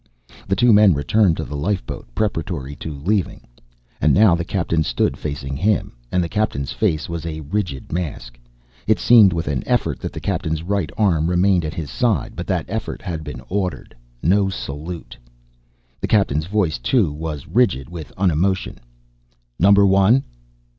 The two men returned to the lifeboat preparatory to leaving. And now the captain stood facing him, and the captain's face was a rigid mask. It seemed with an effort that the captain's right arm remained at his side, but that effort had been ordered. No salute. The captain's voice, too, was rigid with unemotion. "Number One